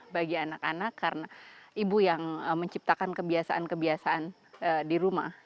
bagi anak anak karena ibu yang menciptakan kebiasaan kebiasaan di rumah